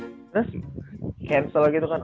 terus cancel gitu kan